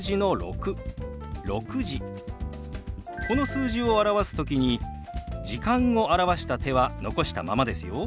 この数字を表す時に「時間」を表した手は残したままですよ。